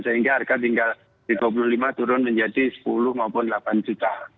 sehingga harga tinggal di dua puluh lima turun menjadi sepuluh maupun delapan juta